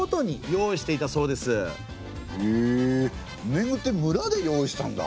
年貢って村で用意したんだ。